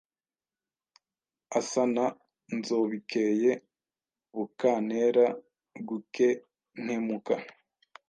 Asa na Nzobikeye, Bukantera gukenkemuka